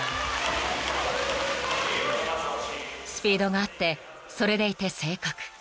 ［スピードがあってそれでいて正確］